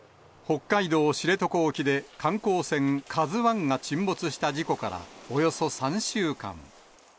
北海道知床沖で観光船ＫＡＺＵＩが沈没した事故からおよそ３週間。